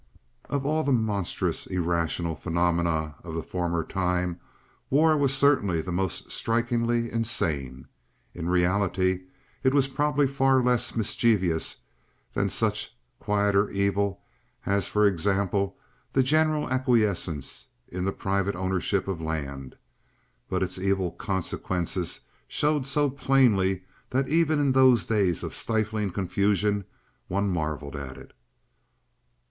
Of all the monstrous irrational phenomena of the former time, war was certainly the most strikingly insane. In reality it was probably far less mischievous than such quieter evil as, for example, the general acquiescence in the private ownership of land, but its evil consequences showed so plainly that even in those days of stifling confusion one marveled at it.